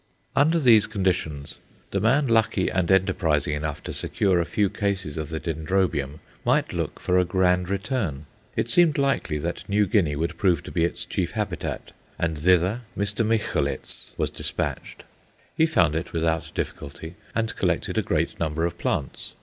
Under these conditions, the man lucky and enterprising enough to secure a few cases of the Dendrobium might look for a grand return. It seemed likely that New Guinea would prove to be its chief habitat, and thither Mr. Micholitz was despatched. He found it without difficulty, and collected a great number of plants.